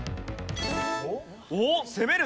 おっ攻める。